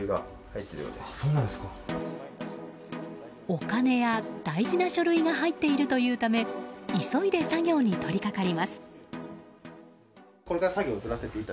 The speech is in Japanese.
お金や大事な書類が入っているというため急いで作業に取り掛かります。